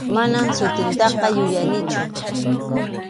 Manam sutintaqa yuyanichu.